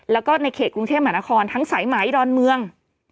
แล้วก็ในเขตกรุงเทพมหานครทั้งสายไหมดอนเมือง